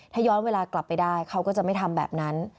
ถ้าย้อนเวลากลับไปได้เขาก็จะไม่ทำแบบนั้น